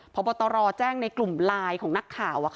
พบตรแจ้งในกลุ่มไลน์ของนักข่าว